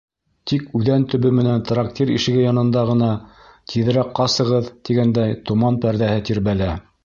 Тик үҙән төбө менән трактир ишеге янында ғына, тиҙерәк ҡасығыҙ, тигәндәй, томан пәрҙәһе тирбәлә.